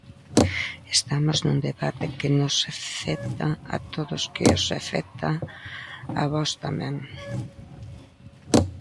Estamos nun debate que nos afecta a todas, que os afecta a vos tamén.